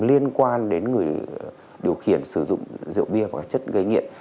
liên quan đến người điều khiển sử dụng rượu bia và chất gây nghiện